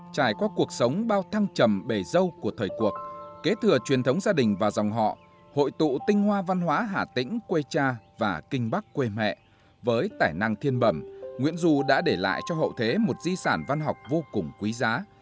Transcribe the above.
trải qua cuộc sống bao thăng trầm bề dâu của thời cuộc kế thừa truyền thống gia đình và dòng họ hội tụ tinh hoa văn hóa hà tĩnh quê cha và kinh bắc quê mẹ với tài năng thiên bẩm nguyễn du đã để lại cho hậu thế một di sản văn học vô cùng quý giá